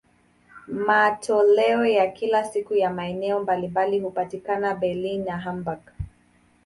Matoleo ya kila siku ya maeneo mbalimbali hupatikana Berlin na Hamburg.